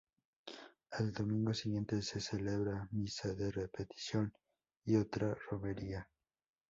Al domingo siguiente se celebra misa de repetición y otra romería.